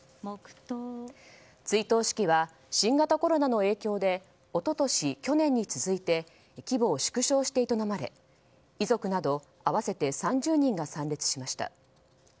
追悼式は新型コロナの影響で一昨年、去年に続いて規模を縮小して営まれ遺族など合わせて３０人が参列しました。